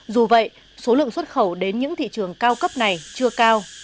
dù vậy số lượng xuất khẩu đến những thị trường cao cấp này chưa cao